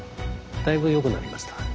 だいぶよくなりました。